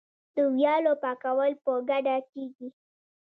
د ویالو پاکول په ګډه کیږي.